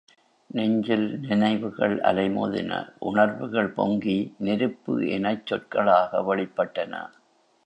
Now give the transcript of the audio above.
நெஞ்சில் நினைவுகள் அலைமோதின, உணர்வுகள் பொங்கி நெருப்பு எனச் சொற்களாக வெளிப்பட்டன.